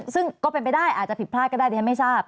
ซึ่งก็เป็นไปได้อาจจะผิดพลาดก็ได้ดิฉันไม่ทราบ